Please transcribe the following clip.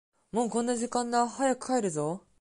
もうこんな時間だ、早く帰るぞ。